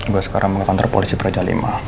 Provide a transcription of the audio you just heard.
gue sekarang mau ke kantor polisi praja lima